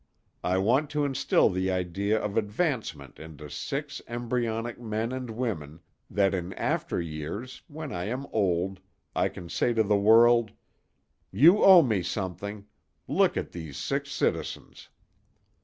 I want to instil the idea of advancement into six embryonic men and women, that in after years, when I am old, I can say to the world: "You owe me something; look at these six citizens."